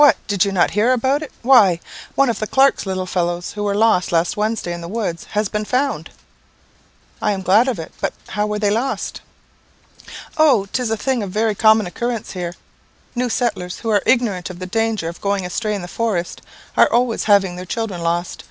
did not you hear about it? Why, one of Clark's little fellows, who were lost last Wednesday in the woods, has been found." "I am glad of it. But how were they lost?" "Oh, 'tis a thing of very common occurrence here. New settlers, who are ignorant of the danger of going astray in the forest, are always having their children lost.